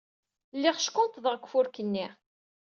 Lliɣ ckunṭḍeɣ deg ufurk-nni.